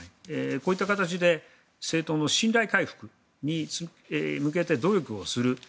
こういった形で政党の信頼回復に向けて努力をする。